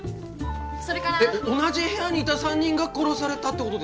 それから同じ部屋にいた三人が殺されたってこと？